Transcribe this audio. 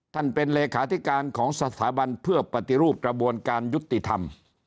เป็นเลขาธิการของสถาบันเพื่อปฏิรูปกระบวนการยุติธรรม